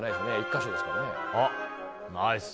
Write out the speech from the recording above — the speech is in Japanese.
１か所ですからね。